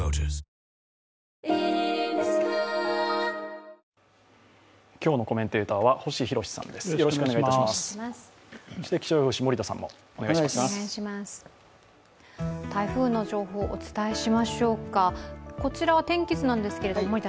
台風の情報、お伝えしましょうかこちらは天気図なんですが。